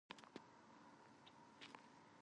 ساده ګولایي یو دایروي قوس دی